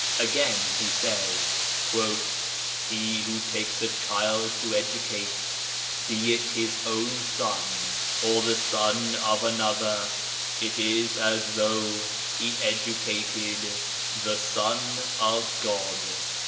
Again he says " He who takes a child to educate, be it his own son, or the son of another, it is as though he educated the Son of God."